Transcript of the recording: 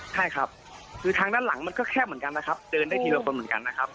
ใช่ครับคือทางด้านหลังมันก็แคบเหมือนกันนะครับเดินได้ทีละคนเหมือนกันนะครับ